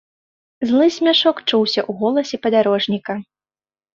Злы смяшок чуўся ў голасе падарожніка.